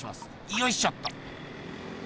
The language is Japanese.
よいしょっと。